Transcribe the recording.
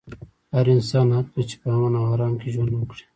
هر انسان حق لري چې په امن او ارام کې ژوند وکړي.